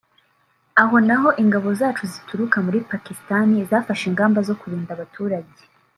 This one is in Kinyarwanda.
Aho naho ingabo zacu zituruka muri Pakistan zafashe ingamba zo kurinda abaturage